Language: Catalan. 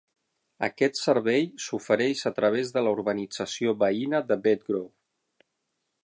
Aquest servei s'ofereix a través de la urbanització veïna de Bedgrove.